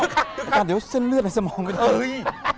อาจารย์เดี๋ยวเส้นเลือดในสมองไปด้วย